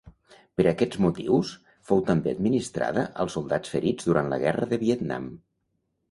Per aquests motius, fou també administrada als soldats ferits durant la guerra de Vietnam.